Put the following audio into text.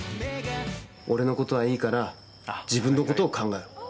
俺のことはいいから自分のことを考えろ。